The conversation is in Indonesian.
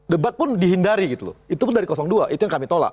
debat pun dihindari gitu loh itu pun dari dua itu yang kami tolak